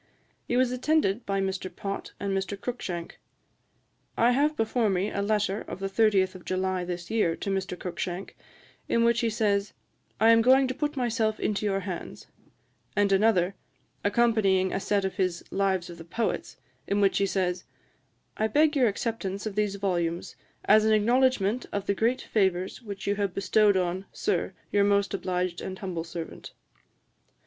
He was attended by Mr. Pott and Mr. Cruikshank. I have before me a letter of the 30th of July this year, to Mr. Cruikshank, in which he says, 'I am going to put myself into your hands;' and another, accompanying a set of his Lives of the Poets, in which he says, 'I beg your acceptance of these volumes, as an acknowledgement of the great favours which you have bestowed on, Sir, your most obliged and most humble servant.'